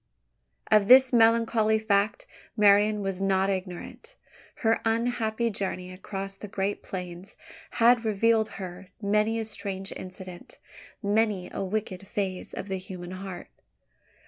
Of this melancholy fact Marian was not ignorant. Her unhappy journey across the great plains had revealed to her many a strange incident many a wicked phase of the human heart.